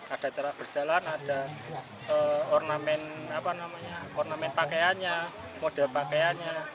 ada cara berjalan ada ornamen ornamen pakaiannya model pakaiannya